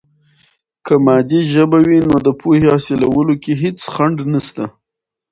که مادي ژبه وي، نو د پوهې حاصلولو کې هیڅ خنډ نسته.